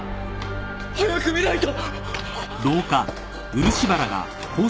早く見ないと！